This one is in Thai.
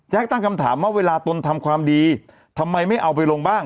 ตั้งคำถามว่าเวลาตนทำความดีทำไมไม่เอาไปลงบ้าง